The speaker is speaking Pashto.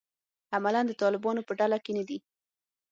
عملاً د طالبانو په ډله کې نه دي.